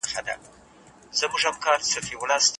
تاسو د سیب په خوړلو بوخت یاست.